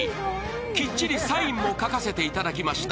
きっちりサインも書かせていただきました。